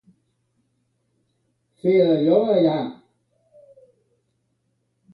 Fer allò allà.